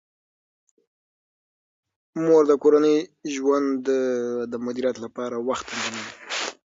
مور د کورني ژوند د مدیریت لپاره وخت تنظیموي.